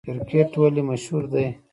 کرکټ ولې مشهور دی؟